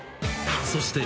［そして］